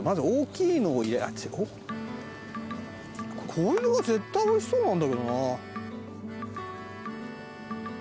こういうのが絶対おいしそうなんだけどな。